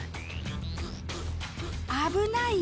危ないよ！